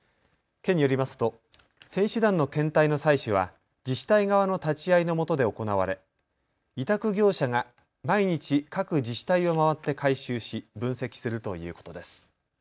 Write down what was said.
県によりますと選手団の検体の採取は自治体側の立ち会いのもとで行われ委託業者が毎日、各自治体を回って回収し分析するということです。